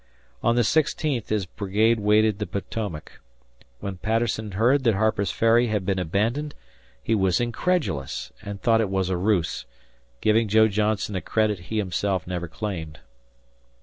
On the sixteenth his brigade waded the Potomac. When Patterson heard that Harper's Ferry had been abandoned, he was incredulous and thought it was a ruse, giving Joe Johnston a credit he himself never claimed.